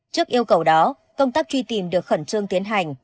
trước yêu cầu đó công tác truy tìm được khẩn trương tiến hành